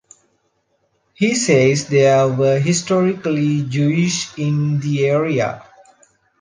He says there were historically Jews in the area.